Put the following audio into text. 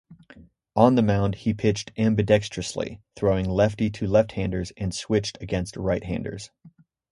On the mound, he pitched ambidextrously, throwing lefty to left-handers, and switched against right-handers.